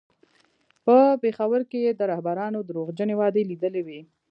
په پېښور کې یې د رهبرانو درواغجنې وعدې لیدلې وې.